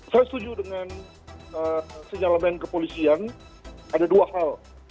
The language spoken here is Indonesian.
saya setuju dengan senyalaman kepolisian ada dua hal